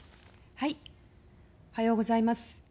おはようございます。